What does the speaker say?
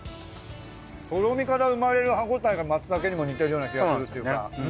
とろみから生まれる歯ごたえがまつたけにも似てるような気がするっていうか。